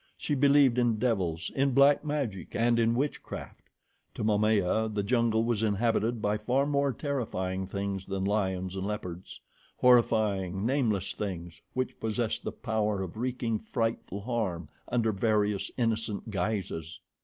She believed in devils, in black magic, and in witchcraft. To Momaya, the jungle was inhabited by far more terrifying things than lions and leopards horrifying, nameless things which possessed the power of wreaking frightful harm under various innocent guises.